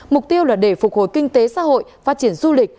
mục tiêu là để phục hồi kinh tế xã hội phát triển du lịch